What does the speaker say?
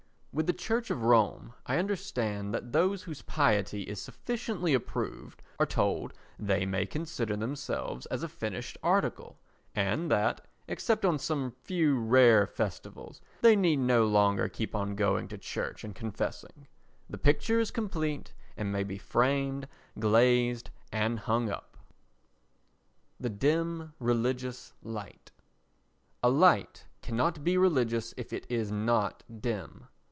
With the Church of Rome, I understand that those whose piety is sufficiently approved are told they may consider themselves as a finished article and that, except on some few rare festivals, they need no longer keep on going to church and confessing. The picture is completed and may be framed, glazed and hung up. The Dim Religious Light A light cannot be religious if it is not dim.